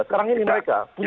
sekarang ini mereka punya